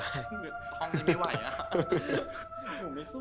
ห้องนี้ไม่ไหวอ่ะ